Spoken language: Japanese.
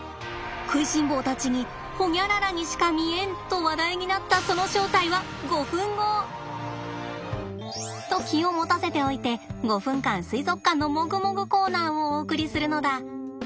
食いしん坊たちにホニャララにしか見えん！と話題になったそのと気を持たせておいて５分間水族館のもぐもぐコーナーをお送りするのだ。